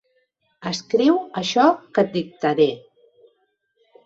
Escriu això que et dictaré.